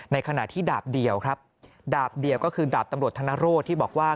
ในขณะที่ดาบเดียวครับดาบเดียวก็คือดาบตำรวจธนโรธที่บอกว่า